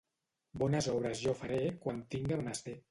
Bones obres jo faré quan tinga menester.